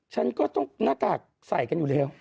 ฉันก็ต้องหน้ากากใส่กันอยู่แล้ว